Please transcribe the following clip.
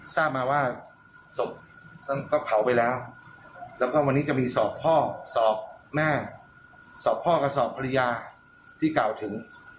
ทราบมาว่าศพท่านก็เผาไปแล้วแล้วก็วันนี้จะมีสอบพ่อสอบแม่สอบพ่อกับสอบภรรยาที่กล่าวถึง